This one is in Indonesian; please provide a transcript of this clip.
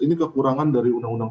ini kekurangan dari undang undang